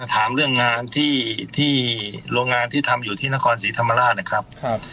ถามเรื่องงานที่ทำอยู่ที่นครศรีธรรมราชนะครับ